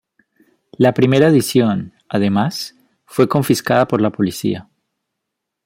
La primera edición, además, fue confiscada por la policía.